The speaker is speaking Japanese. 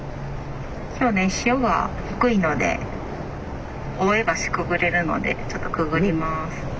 今日ね潮が低いので大江橋くぐれるのでちょっとくぐります。